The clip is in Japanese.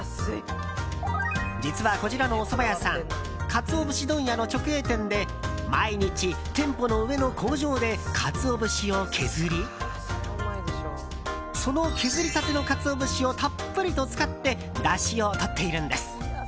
実は、こちらのおそば屋さんカツオ節問屋の直営店で毎日、店舗の上の工場でカツオ節を削りその削りたてのカツオ節をたっぷりと使ってだしをとっているんです。